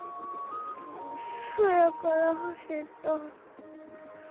そやから走った。